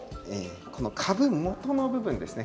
この株元の部分ですね